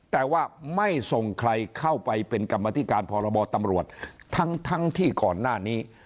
แต่ว่าไม่ส่งใครเข้าไปเป็นกรรมธิการพรบตำรวจทั้งทั้งที่ก่อนหน้านี้